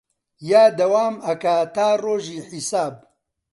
یا دەوام ئەکا تا ڕۆژی حیساب